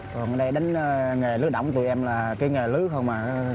còn đây đánh nghề lứa động tụi em là nghề lứa thôi